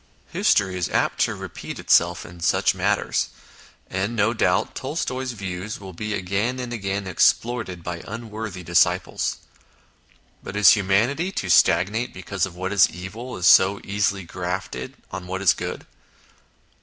History is apt to repeat itself in such matters, and, no doubt, Tolstoy's views will be again and again exploited by unworthy disciples. But is humanity to stagnate because what is evil is so easily grafted on what is good